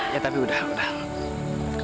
ya tapi udah udah